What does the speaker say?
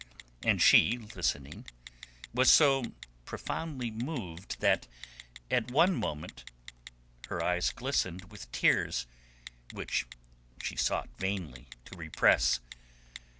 And she, listening, was so profoundly moved that at one moment her eyes glistened with tears which she sought vainly to repress.